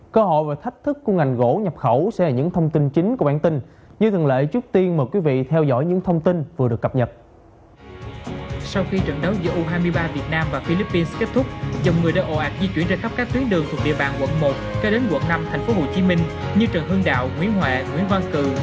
cho đến quận năm thành phố hồ chí minh như trần hương đạo nguyễn hòa nguyễn văn cường